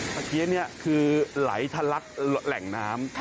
เมื่อกี้นี่คือไหลทะลักแหล่งน้ำ